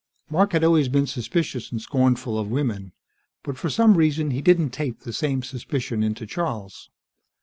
Mark had always been suspicious and scornful of women. But for some reason he didn't tape the same suspicion into Charles.